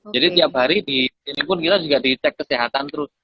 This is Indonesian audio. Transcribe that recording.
jadi tiap hari di sini pun kita juga di cek kesehatan terus